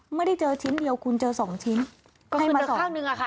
มัดี้เจอชิ้นเดียวคุณเจอสองชิ้นก็คุณแต่ข้างนึงอะค่ะ